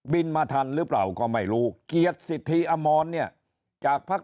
มาทันหรือเปล่าก็ไม่รู้เกียรติสิทธิอมรเนี่ยจากพัก